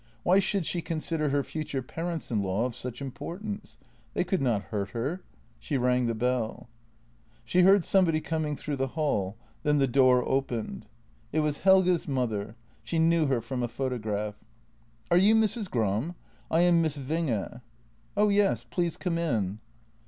Why should she consider her future parents in law of such importance? They could not hurt her. ... She rang the bell. She heard somebody coming through the hall; then the door opened. It was Helge's mother; she knew her from a photo graph. "Are you Mrs. Gram? I am Miss Winge." " Oh yes — please come in."